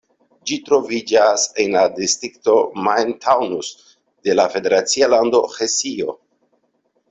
Ĝi troviĝas en la distrikto Main-Taunus de la federacia lando Hesio.